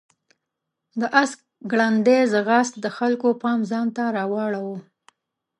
د آس ګړندی ځغاست د خلکو پام ځان ته راواړاوه.